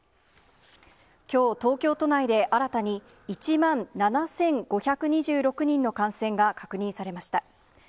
きょう東京都内で新たに１万７５２６人の感染が確認されました。